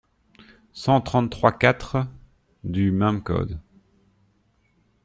cent trente-trois-quatre du même code ».